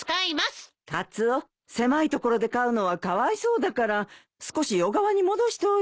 カツオ狭い所で飼うのはかわいそうだから少し小川に戻しておいで。